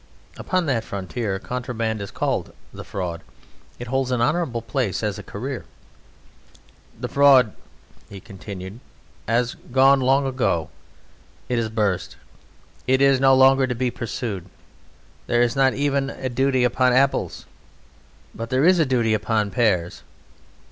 Upon that frontier contraband is called "The Fraud"; it holds an honourable place as a career. "The Fraud," he continued, "has gone long ago; it has burst. It is no longer to be pursued. There is not even any duty upon apples.... But there is a duty upon pears.